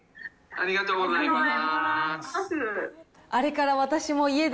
ありがとうございます。